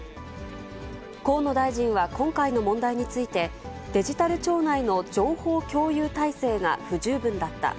河野大臣は今回の問題について、デジタル庁内の情報共有体制が不十分だった。